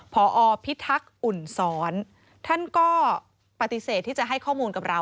พอพิทักษ์อุ่นซ้อนท่านก็ปฏิเสธที่จะให้ข้อมูลกับเรา